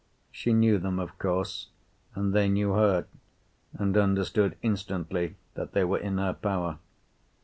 She knew them, of course, and they knew her, and understood instantly that they were in her power.